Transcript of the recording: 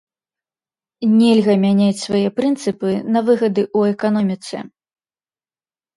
Нельга мяняць свае прынцыпы на выгады ў эканоміцы.